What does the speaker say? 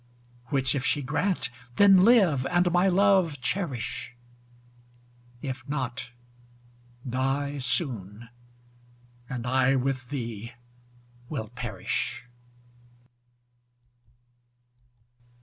Which if she grant, then live, and my love cherish, If not, die soon, and I with thee will perish.